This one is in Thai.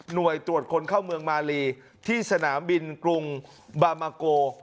โดยตรวจคนเข้าเมืองมาลีที่สนามบินกรุงบามาโก